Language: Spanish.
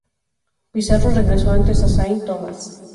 Pissarro regresó antes a Saint Thomas.